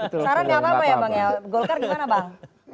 sarannya apa apa ya bang ya golkar gimana bang